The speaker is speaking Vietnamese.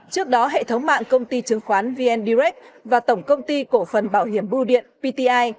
trước đó hệ thống mạng công ty chứng khoán vn direct và tổng công ty cổ phần bảo hiểm bưu điện pti